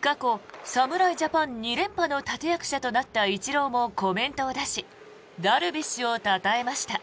過去、侍ジャパン２連覇の立役者となったイチローもコメントを出しダルビッシュをたたえました。